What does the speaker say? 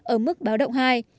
ở mức báo động hai